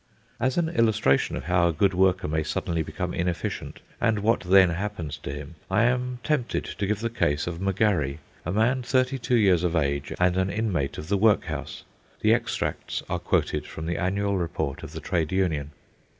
As an illustration of how a good worker may suddenly become inefficient, and what then happens to him, I am tempted to give the case of M'Garry, a man thirty two years of age, and an inmate of the workhouse. The extracts are quoted from the annual report of the trade union.